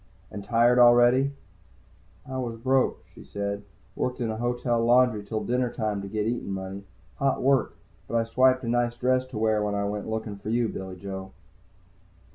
"And tired already?" "I was broke," she said. "Worked in a hotel laundry till dinner time to get eatin' money. Hot work. But I swiped a nice dress to wear when I went looking for you, Billy Joe."